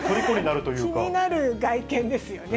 気になる外見ですよね。